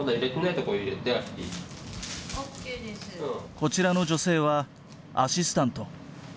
こちらの女性はアシスタント。